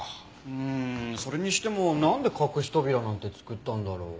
うーんそれにしてもなんで隠し扉なんて作ったんだろう？